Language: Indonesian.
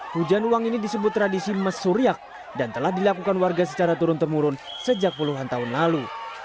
hujan uang ini disebut tradisi mesuriak dan telah dilakukan warga secara turun temurun sejak puluhan tahun lalu